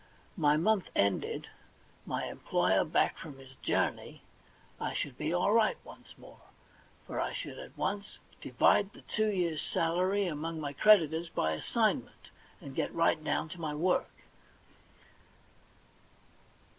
My month ended, my em ployer back from his journey, I should be all right once more, for I should at once divide the two years' salary among my creditors by assignment, and get right down to my work.